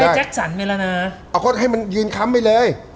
ได้แจ๊คสันไปแล้วน่ะเอาค่ะให้มันยืนคำไปเลยอ๋อ